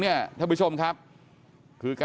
เดี๋ยวให้กลางกินขนม